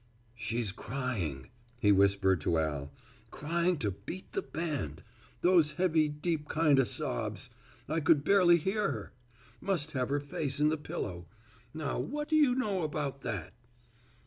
"She's crying," he whispered to Al, "crying to beat the band. Those heavy deep kind of sobs. I could barely hear her. Must have her face in the pillow. Now what do you know about that!"